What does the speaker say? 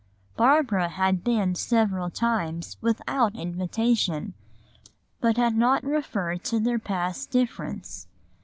Barbara had been several times without invitation, but had not referred to their past difference.